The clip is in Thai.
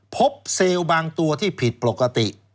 เซลล์บางตัวที่ผิดปกติ